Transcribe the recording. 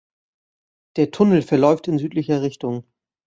Der Tunnel verläuft in südlicher Richtung.